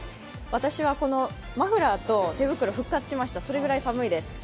私はマフラーと手袋、復活しましたそれくらい寒いです。